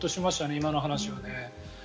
今の話はね。